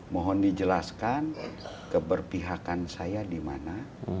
mohon dijelaskan keberpihakan saya di mana